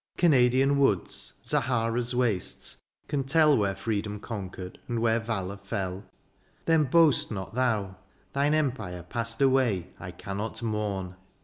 Canadian woods, Zahara^s wastes, can tell Where freedom conquered and where valour fell : Then boast not thou. Thine empire passed away I cannot mourn.